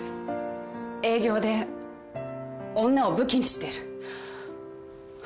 営業で女を武器にしている。